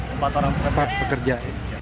empat orang pekerja